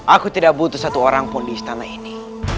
aku tidak butuh satu orang pun di istana ini